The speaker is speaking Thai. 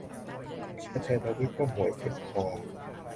และเธอทวีตว่า หมวยเจ็บคอ